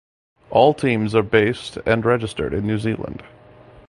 All teams are based and registered in New Zealand.